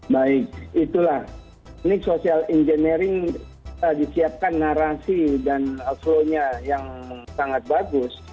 baik itulah ini social engineering disiapkan narasi dan alfonya yang sangat bagus